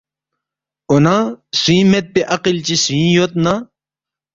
”اون٘ا سُوئِنگ میدپی عقل چی سُوئِنگ یود نہ،